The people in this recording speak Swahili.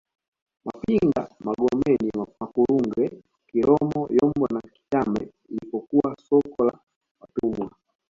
Mapinga Magomeni Makurunge Kiromo Yombo na Kitame lilipokuwa soko la watumwa